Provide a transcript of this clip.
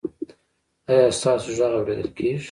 ایا ستاسو غږ اوریدل کیږي؟